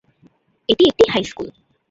এটি একটি হাইস্কুল।